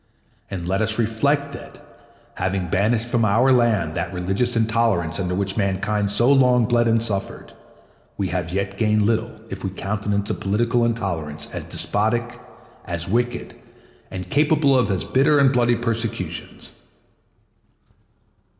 And let us reflect that, having banished from our land that religious intolerance under which mankind so long bled and suffered, we have yet gained little if we countenance a political intolerance as despotic, as wicked, and capable of as bitter and bloody persecutions.